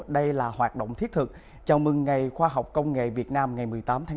đây là hoạt động thiết thực chào mừng ngày khoa học công nghệ việt nam ngày một mươi tám tháng năm